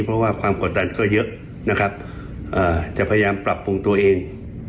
เพราะว่าความสนใจก็เยอะนะครับอ่าจะพยายามปรับภงตัวเอง